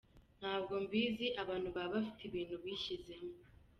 ntabwo mbizi abantu baba bafite ibintu bishyizemo .